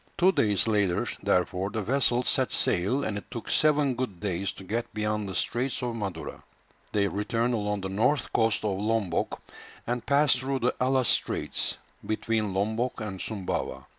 Two days later therefore the vessel set sail, and it took seven good days to get beyond the straits of Madura. They returned along the north coast of Lombok, and passed through the Allas Straits, between Lombok and Sumbawa.